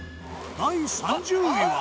第３０位は。